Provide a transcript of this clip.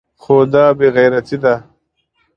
خو دا بې غيرتي ده.